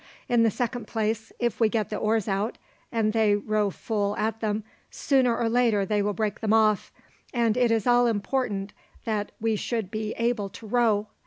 In the second place, if we get the oars out and they row full at them, sooner or later they will break them off; and it is all important that we should be able to row.